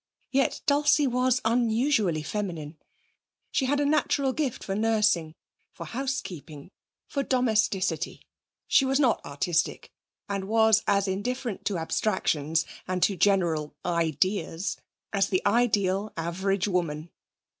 Yet Dulcie was unusually feminine; she had a natural gift for nursing, for housekeeping, for domesticity. She was not artistic and was as indifferent to abstractions and to general ideas as the ideal average woman.